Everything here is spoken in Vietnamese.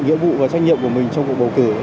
nghĩa vụ và trách nhiệm của mình trong cuộc bầu cử